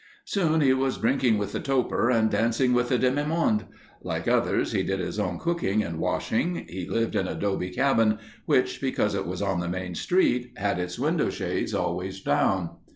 Soon he was drinking with the toper and dancing with the demimonde. Like others, he did his own cooking and washing. He lived in a 'dobe cabin which, because it was on the main street, had its window shades always down.